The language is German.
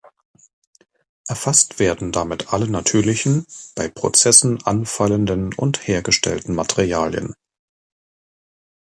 Erfasst werden damit alle natürlichen, bei Prozessen anfallenden und hergestellten Materialien.